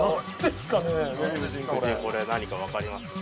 ◆夫人、これ何か分かります？